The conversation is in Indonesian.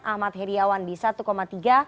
ahmad heriawan di satu tiga